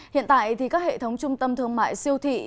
hiện tại thì các hệ thống trung tâm thương mại siêu thị